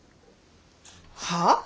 はあ？